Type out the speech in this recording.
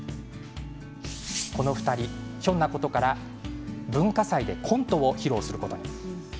この２人、ひょんなことから文化祭でコントを披露することに。